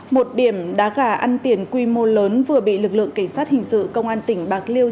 một điểm đá gà ăn tiền quy mô lớn vừa bị lực lượng cảnh sát hình sự công an tỉnh bạc liêu